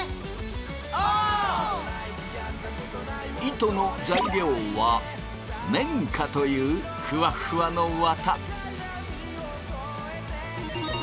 糸の材料は綿花というふわふわの綿。